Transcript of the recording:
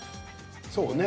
そうやね。